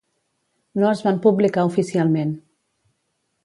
No es van publicar oficialment.